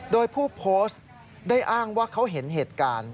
โดยผู้โพสต์ได้อ้างว่าเขาเห็นเหตุการณ์